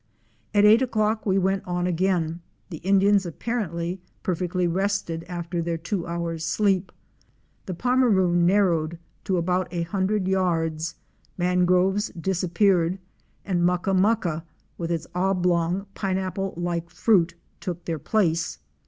At eight o'clock we went on again, the Indians apparently perfectly rested after their two hours' sleep. The Pomeroon narrowed to about a hundred yards, mangroves disappeared and mucka mucka with its oblong, pineapple like fruit, took their place.